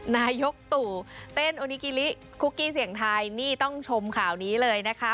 นายกตู่เต้นโอนิกิลิคุกกี้เสียงไทยนี่ต้องชมข่าวนี้เลยนะคะ